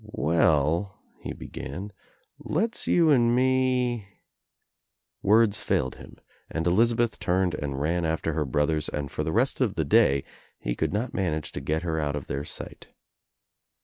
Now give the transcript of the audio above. "Well," he began, "let's you and me —" Words failed him and Elizabeth turned and ran after her brothers and for the rest of the day he could not manage to get her out of their sight.